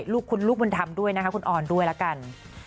ลูกคุณลูกบุญธรรมด้วยนะคะคุณออนด้วยละกัน